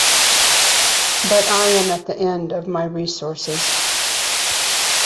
But I am at the end of my resources.